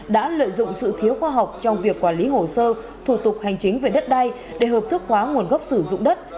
đã lợi dụng sự thiếu khoa học trong việc quản lý hồ sơ thủ tục hành chính về đất đai để hợp thức hóa nguồn gốc sử dụng đất